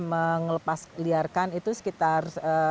melepas liarkan itu sekitar